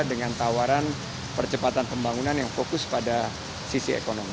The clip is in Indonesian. dengan tawaran percepatan pembangunan yang fokus pada sisi ekonomi